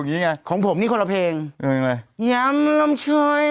นิคที่มี